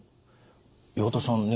岩田さんね